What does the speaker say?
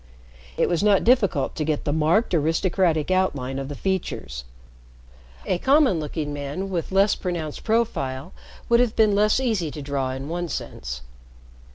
It was not difficult to get the marked, aristocratic outline of the features. A common looking man with less pronounced profile would have been less easy to draw in one sense.